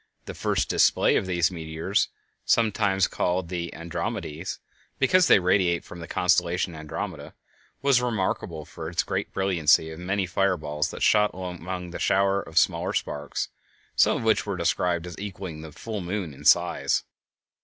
The first display of these meteors, sometimes called the "Andromedes," because they radiate from the constellation Andromeda, was remarkable for the great brilliancy of many of the fire balls that shot among the shower of smaller sparks, some of which were described as equaling the full moon in size.